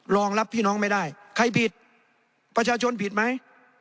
รองรับพี่น้องไม่ได้ใครผิดประชาชนผิดไหม